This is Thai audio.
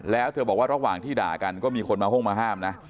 แล้วเธอบอกว่าระหว่างที่ด่ากันก็มีคนมาห้องมาห้ามนะ